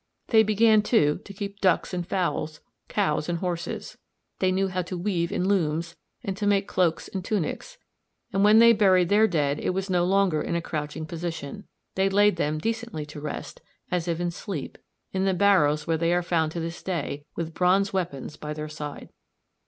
They began, too, to keep ducks and fowls, cows and horses; they knew how to weave in looms, and to make cloaks and tunics; and when they buried their dead it was no longer in a crouching position. They laid them decently to rest, as if in sleep, in the barrows where they are found to this day with bronze weapons by their side.